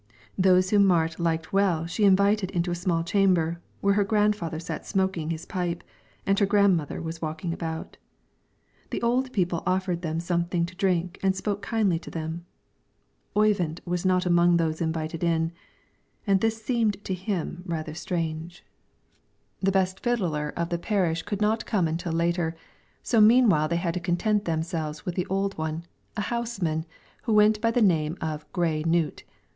Those whom Marit liked well she invited into a small chamber, where her grandfather sat smoking his pipe, and her grandmother was walking about. The old people offered them something to drink and spoke kindly to them. Oyvind was not among those invited in, and this seemed to him rather strange. The best fiddler of the parish could not come until later, so meanwhile they had to content themselves with the old one, a houseman, who went by the name of Gray Knut.